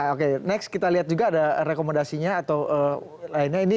oke next kita lihat juga ada rekomendasinya atau lainnya